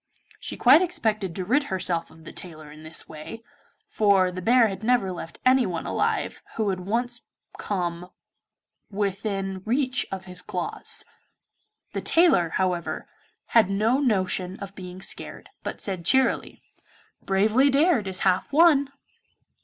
She quite expected to rid herself of the tailor in this way, for the bear had never left anyone alive who had once come within reach of his claws. The tailor, however, had no notion of being scared, but said cheerily, 'Bravely dared is half won.